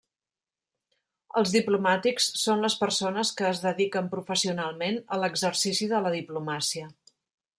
Els diplomàtics són les persones que es dediquen professionalment a l'exercici de la diplomàcia.